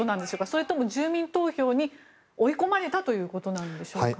それとも住民投票に追い込まれたということでしょうか。